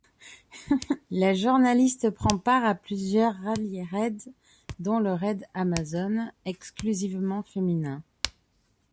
La journaliste prend part à plusieurs rallye-raids, dont le Raid Amazones, exclusivement féminin.